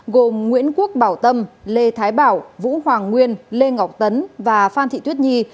gồm nguyễn quốc bảo tâm lê thái bảo vũ hoàng nguyên lê ngọc tấn và phan thị tuyết nhi